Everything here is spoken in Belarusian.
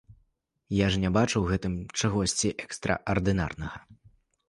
Я ж не бачу ў гэтым чагосьці экстраардынарнага.